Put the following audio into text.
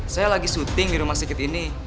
saya lagi syuting di rumah si ketini